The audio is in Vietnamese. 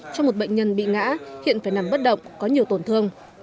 cho một bệnh nhân bị ngã hiện phải nằm bất động có nhiều tổn thương